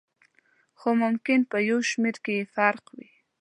خو ممکن په شمېر کې یې فرق وي.